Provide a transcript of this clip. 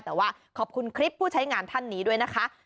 แต่ว่าขอบคุณคลิปผู้ใช้งานท่านนี้ด้วยนะคะ